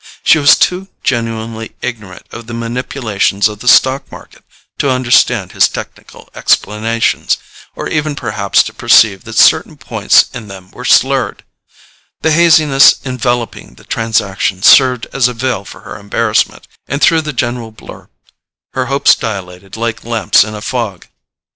She was too genuinely ignorant of the manipulations of the stock market to understand his technical explanations, or even perhaps to perceive that certain points in them were slurred; the haziness enveloping the transaction served as a veil for her embarrassment, and through the general blur her hopes dilated like lamps in a fog.